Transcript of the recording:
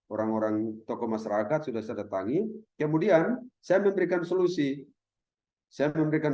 orang orang tokoh masyarakat sudah saya datangi kemudian saya memberikan solusi saya memberikan